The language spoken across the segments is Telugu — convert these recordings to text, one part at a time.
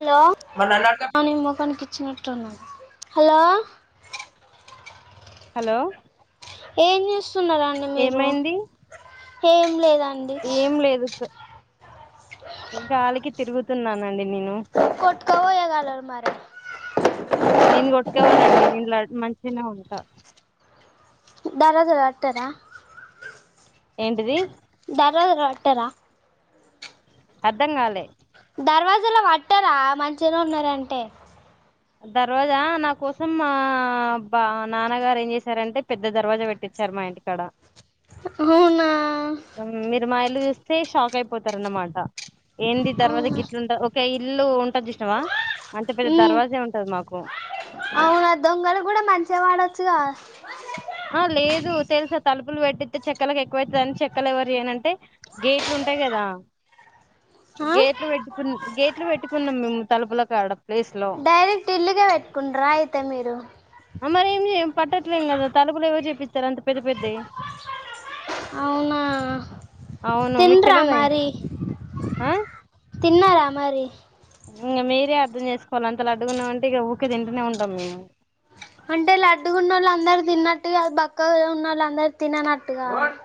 హలో ని మొఖనికి ఇచ్చినాటే ఉంది హలో [unintelligible] హలో ఏం చేస్తున్నారాండి మీరు ఏమైంది ఏం లేదండి ఏం లేదు గాలికి తిరుగుతున్నానండి నేను కొట్కాపోయగాలరు మరే నేను కొట్టుకపోనండి నేను ల మంచిగానే ఉంటా ధర్వాజల పట్టారా ఏంటిది ధర్వాజల పట్టారా అర్ధం కాలే దర్వాజల పట్టరా మంచిగా ఉన్నారంటే దర్వాజా నా కోసం మా బా నాన్నగారు ఏం చేసారంటే పెద్ద దర్వాజా పెట్టి చేసారు మా ఇంటికాడ అవునా ఉమ్, మీరు మా చూస్తే షాక్ అయిపోతార అన్నమాట ఏంటి దర్వాజా అవునా గిట్లు ఉంట ఓక ఇల్లు ఉంటంది చసినవా అంతే పెద్ద ఉమ్ దర్వాజా అవునా దొంగలు కూడా మంచిగా పడొచ్చు గా ఆ లేదు తెలుసా తలుపులు పెట్టి చెక్కలకు ఎక్కువ అవుతుందిని చెక్కలు ఎవరు చేయనంటే గేట్లు ఉంటాయి కదా ఆ గేట్లు పెట్టుకున్నా గేట్లు పెట్టుకున్నాం మేము తలుపుల కాడా ప్లేస్ లో టిల్లులే పెట్టుకుండరా అయితే మీరు అమరి ఏంది పట్టట్లేదా తలుపులు ఎవరు చెప్ప అవునా అవును మీకు తింట్రా తెలవదాయే మరి ఆ తిన్నార మరి ఇంకా మీరే అర్థం చేసుకోవాలి అంత లడ్డుకునేమంటే ఇక ఉఊకే తింటూనే ఉంటాం మేము అంటే లడ్డుగ ఉన్న వాళ్ళ అందరుూ తిన్నట్టు కాదు బక్క ఉన్నళ్ళు అందరూ తిననట్టుగా కాదు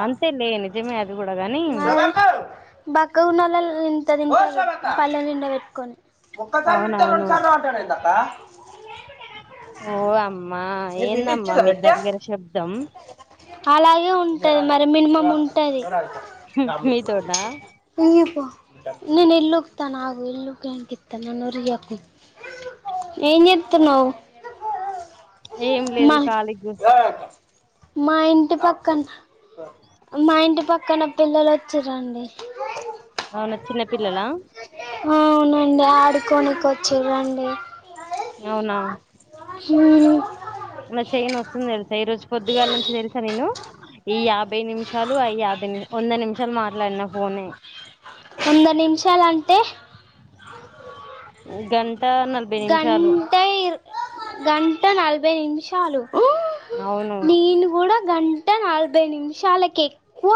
అంతే లే నిజమే అది కూడా గాని మరి బక్కగా ఉనోలే ఇంత తింటారు పళ్లెం నిండ పెట్టుకొని ఒక్కసారి పిళ్తే అవునవును రెండుసార్లు ఓ అంటన్నావ్ అక్క ఓ అమ్మా నీ బిడ్డ ఎందమ్మా ఇచ్చిందా మీ పెట్టి దగ్గర శబ్దం అలాగే ఉంటది మరి మినిమం ఉంటది మీతోట ఈయిపో నేను ఇల్లు ఉకుతున్న ఆగుఇల్లు ఉకినంక ఇత నాను ఊకె ఒరియకు, ఎం చేతన్నావ్ ఏం లేదు మా ఖాళీ గు మా ఇంటి పక్కన మా ఇంటి పక్కన పిల్లలు వచ్చిరండి అవునా చిన్న పిల్లల అవునండి ఆడుకోనికి వచ్చిర్రాండి అవునా [unintelligible] నా చేయి నస్తుంది తెలుసా ఈ రోజు పొద్దుగాల నుంచి తెలుసా నేను ఈ యాభై నిమిషాలు అ యాభై వంద నిమిషాలు మాట్లాడిన ఫోనే వంద నిమిషాలంటే గన్ గంటైర్ గంట నలభై నిమిషాలు అవును నేను కూడా గంట అంటే నలభై నిమిషాలకు ఎక్కువ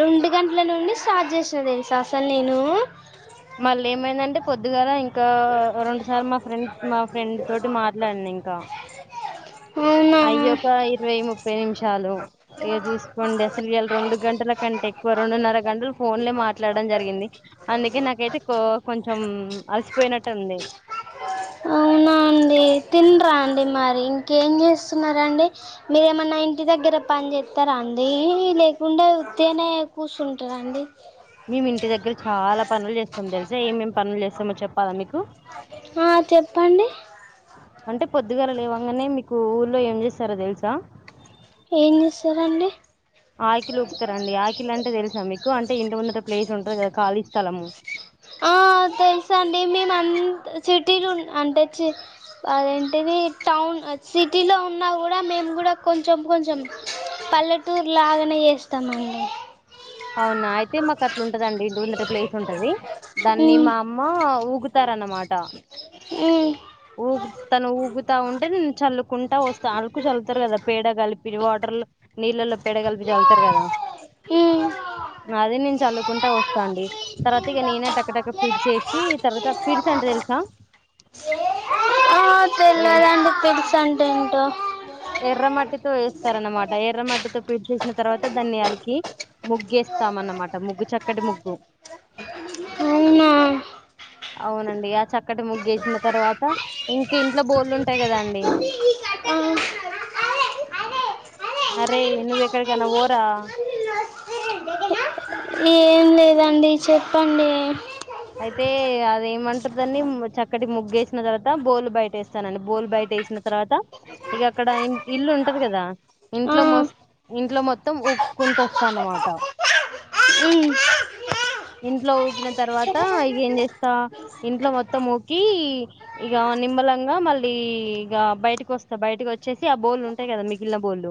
రెండు గంటల నుండి స్టార్ట్ చేసిన తెలుసా అసలు నేను మళ్ళీ ఏమైందంటే పొద్దుగాల ఇంకా కా రెండు సార్లు మా ఫ్రెండ్ మా ఫ్రెండ్ తోటి మాట్లాడినా ఇంకా అయ్యి అవునా ఒక ఇరవై ముప్పై నిమిషం షాలు ఇగా చూసుకోండి అసలు ఇయాలా రెండు గంటల కంటే ఎక్కువ రెండున్నర గంటలు ఫోన్లే మాట్లాడ జరిగింది అందుకే నాకైతే కో కొంచెం అలసిపోయినట్టు ఉంది అవునా తినరా అండి మరి ఇంకేం చేస్తున్నారా అండి మీరేమైన్నా ఇ ఇంటి దగ్గర పనిచేస్తారా అండి లేకుండా వత్తిగానే కూర్చుంటారా అండి మేము ఇంటి దగ్గర చాలా పనులు చేస్తాం తెలుసా ఏమేమి పనులు చేస్తామో చెప్పాలా మీకు ఆ చెప్పండి అంటే పొద్దుగాల లేవంగానే మీకు ఊర్లో ఏం చేస్తారో తెలుసా ఏం చేస్తారు అండి ఆకిలు ఊపుతారండి ఆకిలు అంటే తెలుసా మీకు అంటే ఇంటి ముందుట ప్లేస్ ఉంటుంది కదా ఖాళీ స్థలము ఆ తెలుసు అండి మేము అంత సిటీలు అంటే చి అదేంటిది టౌన్ సిటీలో ఉన్నా కూడా మేము కూడా కొంచెం కొంచెం పల్లెటూరు లాగానే చేస్తామండి అవునా అయితే మాకు అట్లు ఉంటదండి ఇంటి ముందర ప్లేస్ ఉంటది దాన్ని ఉమ్ మా అమ్మ ఊకు అన్నమాటా ఉమ్ ఊకు తను ఊకుతా ఉంటే నేను చల్లుకుంటా వస్తా అలుకు చల్లుతారు కదా పేడ కలిపి వాటర్లో నీళ్ళల్లో పేడ కలిపి చల్తారు కదా ఉమ్ అదిే నేను చల్లుకుంటా వస్తా అండి తర్వాత ఇక నేనే టక టక పిడ్స్ ఏసి తర్వాత పిడిస్ అంటే తెలుసా ఆ ఏ తేల్వదండి పిడ్స్ అంటే ఏంటో ఎర్రమట్టితో వేస్తారనమాట ఎర్రమట్టితో పిడ్స్ ఎసిన తర్వాత దాన్ని అలికి ముగ్గేస్త స్థాం అన్నమాట ముగ్గు చక్కటి ముగ్గు అవునా అవునండి ఆ చక్కటి ముగ్గేసిన తర్వాత ఇంక ఇంట్లో బోళ్ళు ఉంటాయి కదా అండి ఆ అరే నువ్ ఎక్కడికన్నా పోరా ఏం లేదండి చెప్పండి అయితే అంటే అదే ఏమంటరు దాన్ని చక్కటి ముగ్గేసిన తర్వాత బోల్ బయట వేస్తానండి బోల్ బయట వేసిన తర్వాత ఇగ అక్కడ ఇల్లు ఉంటది కదా ఇంట్లో ఆ మస్ ఇంట్లో మొత్తం ఉక్కుంటూ వస్తా అన్నమాట ఉ ఇంట్లో ఊకిన తర్వాత ఇక ఏం చేస్తా ఇంట్లో మొత్తం ఊకి ఇక నిమ్మలంగా మళ్ళీ ఇక బయటకి వస్తా బయటకి వచ్చేసి ఆ బోళ్లుు ఉంటాయి కదా మిగిలిన బోళ్లు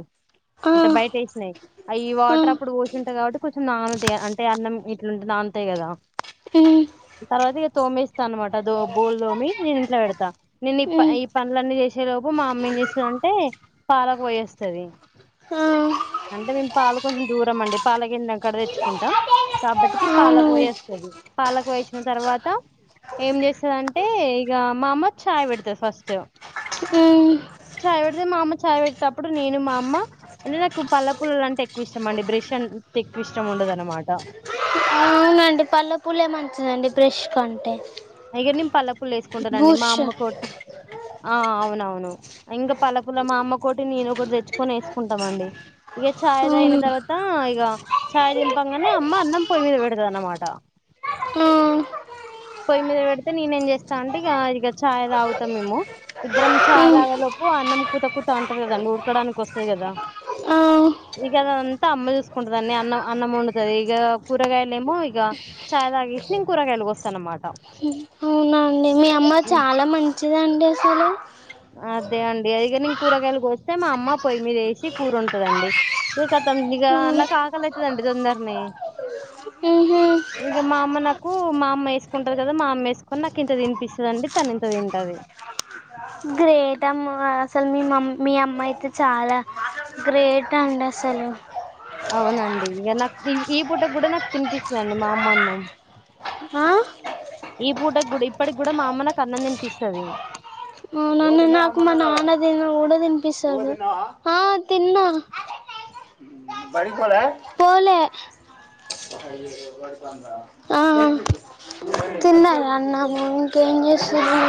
అంటే బయట వేసినాయి అ ఈ వాటర్ అప్పుడు పోసింటా కాబట్టి కొంచెం నానుతాయి అంటే అన్నం ఇట్లుంటుంది అంతే కదా ఈ తర్వాత ఇక తోమేస్తా అనమాట దో బోల్ దోమి నేను ఇంట్లో పెడతాను నేను ఈ ఉమ్ ఈ పనులన్నీ చేసే లోపు మా అమ్మ ఏం చేస్తదంటే పాలకు పోయేస్తది ఆ అంటే మేము పాలు కొంచెం దూరం అండి పాల గిన్ అక్కడ తెచ్చుకుంటాం కాబట్టికి అవును పాలక పోయేస్తుంది పాలకు పోయోచ్చినా తర్వాత ఏం చేస్తుందంటే ఇక మా అమ్మ చాయ్ పెడతది ఫస్ట్ ఈ చాయ్ పెడితే మా అమ్మ చాయ్ పెట్టేటప్పుడు నేను మా అమ్మ అంటే నాకు పల్ల పల్లలు అంటే ఎక్కువ ఇష్టం అండి బ్రష్ ఎక్కువ ఇష్టం ఉండదన్నమాట అండి పల్ల పూలే మంచిదండి బ్రష్ కంటే అయిగ నేను పల్ల పుల్ల వేసుకుంటనండి మా బూస్ట్ అమ్మ కోటి ఆ అవునవును ఇంకా పల్లక పుల్ల మా అమ్మ ఒకటి నేను ఒకటి తెచ్చుకొని వేసుకుంటామండి ఇక చాయ్ అవును తాగినా తర్వాత ఈగ చాయ్ దింపంగానే అమ్మ అన్నం పొయ్యి మీద పెడతది అన్మాట ఆ పొయ్యి మీద పెడితే నేనే ఏం చేస్తా అంటే ఇక ఇక చాయ్ తాగుతాం మేము ఇద్దరం ఆ చాయ్ తాగేలో ఓ అన్నం కూత కూతా అంటారు కదాండి వుడకడానికి వస్తది కదా ఆ ఇగదంతా అమ్మ చూసుకుంటుదాన్ని అన్నం అన్నం వండుతాది ఇక కూరగాయలేమో ఇగ చాయ్ తాగిసి నేను కూరగాయలు కోస్తా అన్నమాట అవునండి మీ అమ్మ చాలా మంచిదండి అసలు అదే అండి ఇగ నేన్ కూరగాయలు కోస్తే మా అమ్మ పోయి మీద ఏసి కూర వండుతదండి ఇక తొ ఇగా ఉమ్ నాకు ఆకలి అవుతుదండి తొందరనే ఉహు ఇక మా అమ్మ నాకు మా అమ్మ వేసుకుంటాది కదా మా అమ్మ వేసుకొని నాకు ఇంత తినిపిస్తుదిండి తను ఇంత తింటది ఏటమ్మో అసలు మీ మ మీ అమ్మా అయితే చాలా గ్రేట్ అండి అసలు అవునండి ఇక నాకు ఈ పూట కూడా నాకు తినిపిస్తదండి మా అమ్మ అన్నం ఆ ఈ పూట కూడ ఇప్పటికి కూడా మా అమ్మ నా కన్నం తినిపిస్తది అవునండి నాకు మా నాన్న తిని కూడా తినిపిస్తాడు ఆ తిన్నా బడికి పోలే పోలే ఆ తిన్న అన్నము ఇంకే ఏం చేస్తున్నరు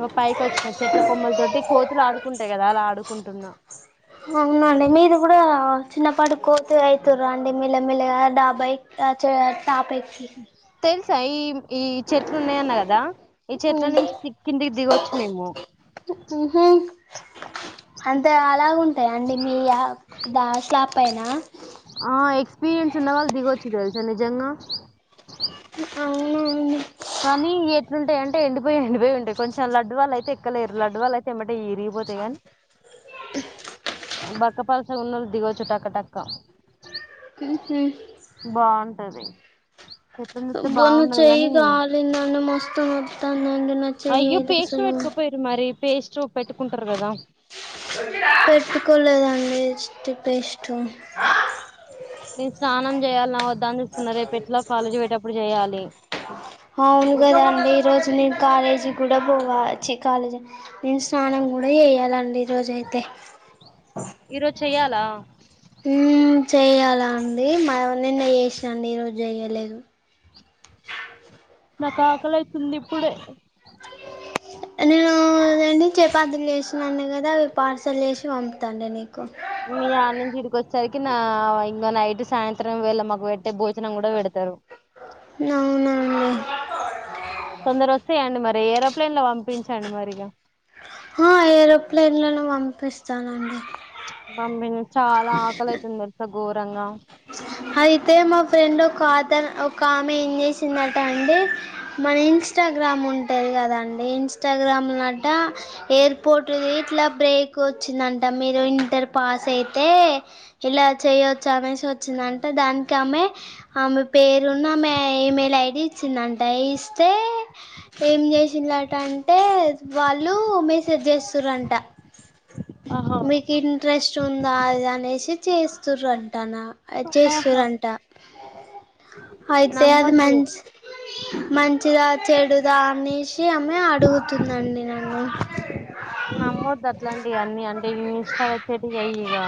ఇ పైకి వచ్చిన చెట్ల కొమ్మల తోటి కోతులు ఆడుకుంటాయి కదా అలా ఆడుకుంటున్నా అవునండి మీరు కూడా చిన్నపాటి కోతి అవుతుర అండి మెల్లమెల్లగా డాబై తాపెక్కి తెలుసా ఈ ఈ చెట్లు ఉన్నాయన్న కదా ఈ చెట్ల నుంచి కిందికి దిగొచ్చు మేము ఉహు అంత అలాగు ఉంటాయి అండి మీ ద స్లాప్ పైనా ఆ ఎక్స్పీరియన్స్ ఉన్న వాళ్ళు దిగొచ్చు తెలుసా నిజంగా అవునండి కానీ ఎట్లుంటాయంటే ఎండిపోయి ఎండిపోయి ఉంటాయి కొెం లడ్డు వాళ్ళ అయితే ఎక్కలేరు లడ్డు వాళ్ళ అయితే ఏమంటే ఈరి పోతెగన్ బక్కపల్స ఉన్నోళ్లుు దిగవచ్చు టక్క టక్క బాగుంటది చెంది మొన్ను చెయ్యి కాలిందని మొస్తు నిర్తాంద న చెయ్య అయ్యో ఇద పేస్ట్ స పెట్టుకోపోయిరు మరి పేస్ట్ పెట్టుకుంటర్ కదా పెట్టుకోలేదండి ఎస్ట్ పేస్ట్ నేన్ స్నానం చేయాల్న వద్దా అని చూస్తున్న రే పెట్టిలో కాలేజీ పెయటప్పుడు చేయ్యాలి అవును కదా అండి ఈ రోజు నేను కాలేజీ కూడ పోవ చ్చి కాలేజీ నేను స్నానం ముడే వేయాలండి ఈరోోజైతే ఈ రోజ్ చెయ్యాలా ఉమ్ చేయ్యాలా అండి మా నిన్న చేసానండి ఈరోజు చేయలేదు నాకు ఆకలైతుంది ఇప్పుడ నేను అదండి చపాతీలు చేసినాన్ కదా అవి పార్సల్ వేసి పంపుతాండి నీకు మీ అనుంచి ఇడికి వచ్చేసరికి నా ఇంకా నైట్ సాయంత్రం వేళ్ళ మాకు పెట్టే భోజనం కూడా పెడతారు అవునా అండి తొందర వస్తాయండి మరి ఏరోప్లేన్ లో పంపించండి మరిక ఏరోప్లేన్ల నో పంపిస్తానండి పంపించ చాలా ఆకలి అైతుంది తెలుసా ఘోరంగా అయితే మా ఫ్రెండ్ ఒక ఆత ఒక ఆమె ఏం చేసిందట అండి మన ఇన్స్టాగ్రామ్ గ్రామ్ ఉంటేది కదండి ఇన్స్టాగ్రామ్ లో అట ఎయిర్పోట్ ఇట్లా బ్రేక్ వచ్చి వచ్చిందంట మీరు ఇంటర్ పాస్ అయితే ఇలా చేయొచ్చు అనేసి వచ్చిందంట అంటే దానికి ఆమె ఆమె పేరు ను ఆమె ఈమె యిమెల్ ఐడీ ఇచ్చిందంట ఇస్తే ఏం చేసిలట అంటే వాళ్ళు మెసేజ్ చేస్తురంట ఆహా మీకు ఇంట్రెస్ట్ ఉందా అద అనేసి చేస్తుర్ అంటా న ఆహా చేస్తురంట అయితే అది నమ్మొద్దు మంచి మంచిదా చెడుదా అనేసి ఆమె అడుగుతుందండి నన్ను నమ్మదు అట్లాంటి అన్నీ అంటే ఇ ఇన్ష్టాలో వచ్చేటియి ఇక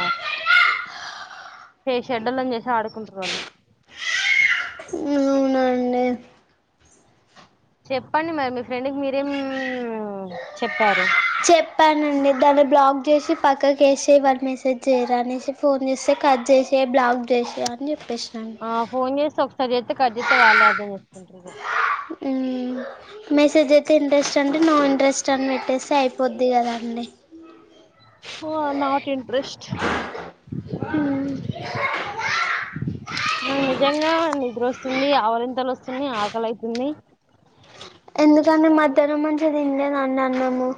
ఫషెడ్డలని చూసి ఆడుకుంటు వాళ్ళు ఉ అవునండి చెప్పండి మరి మీ ఫ్రెండ్కి మీరేం చెప్పారు చెప్పానండి దాన్ని బ్లాక్ చేసి పక్క కేసే వాారు మెసేజ్ చేయరనేసి ఫోన్ చేస్తే కట్ చేసె బ్లాక్ చేసిే అని చెప్పేస్న ఆ ఫోన్ చేసి ఒకసారి చేత్తే కట్తే వాళ్ళే అదం చేసుకుంటారు మ్ మెసేజ్ అయితే ఇంట్రెస్ట్ అండి నో ఇంట్రెస్ట్ అని పెట్టేసై అయిపోద్ది కదా అండి అ ఓ నాట్ ఇంట్రెస్ట్ నాకు నిజంగా నిద్ర వస్తుంది ఆవలింతలు వస్తున్నాయి ఆకలి అవుతుంది ఎందుకంటే మధ్యాహ్నం మంచి తినలేదండి అన్నము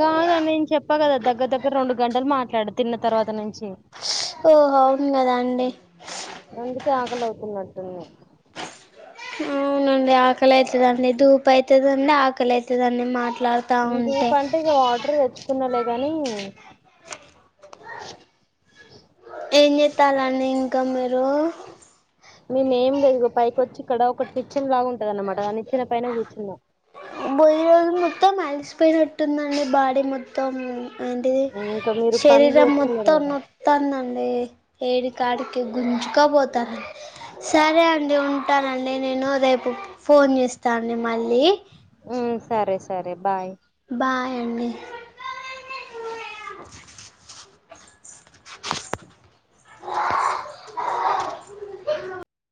కాదు నేను చెప్పా కదా దగ్గర దగ్గర రెండు గంటలు మాట్లాడ తిన్న తర్వాత నుంచి ఓహో అవున్ కదా అండి అందుకే ఆకలివుతున్నట్టుంది అవునండి ఆకలి అవుతుదండి ధూపు అవుతుదండి ఆకలి అయితుందండి మాట ఇంకూపంటే ఇగ వాటర్ తెచ్చుకున్నా లే కానీ ఏం జేత్తాలండీ ఇంకా మీరు మేమేం లేదుగో పైకొచ్చి ఇక్కడ ఒకటిచ్చిన లాగుంటది అన్నమాట ఆ నిచ్చిన పైన కూర్చున్నా బొయ్ రోజు మొత్తం అలిసిపోయినట్టుందండి బాడీ మొత్తం ఏంటిది ఇంకా మీరు పనులు శరీరం చేస్తున్నారు మొత్తం కదా మొత్తందండి ఏడికాడికే గుంజుక పోతాం సరే అండి టానండి నేను రేపు ఫోన్ చేస్తా అండి మళ్ళీ ఉమ్ సరే సరే బాయ్ బాయండి